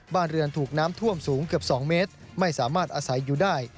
บ้านเรือนถูกน้ำท่วมสูงเกือบ๒เมตรไม่สามารถอาศัยอยู่ได้